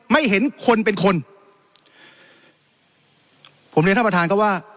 ไม่เห็นคนเป็นคนผมเรียนท่านประธานครับว่า